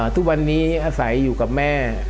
ทุกวันนี้อาศัยอยู่กับแม่